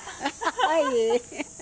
はい。